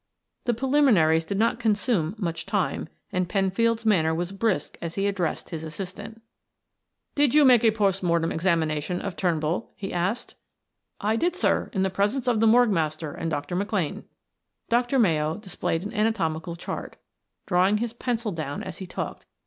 The preliminaries did not consume much time, and Penfield's manner was brisk as he addressed his assistant. "Did you make a post mortem examination of Turnbull?" he asked. "I did, sir, in the presence of the morgue master and Dr. McLane." Dr. Mayo displayed an anatomical chart, drawing his pencil down it as he talked.